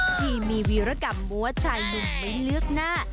ที่มีวีรกรรมมัวชายหนุ่มไปเลือกหน้า